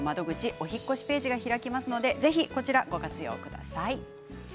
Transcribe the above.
お引っ越しページが開きますのでぜひ、ご活用ください。